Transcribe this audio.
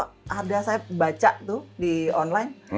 ada saya baca tuh di online